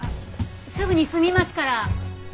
すぐに済みますから。